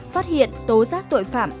phát hiện tố giác tội phạm